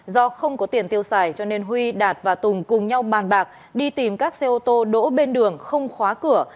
do không có tiền tiêu xài cho nên huy đạt và tùng cùng nhau bàn bạc đi tìm các xe ô tô đỗ bên đường không khóa cửa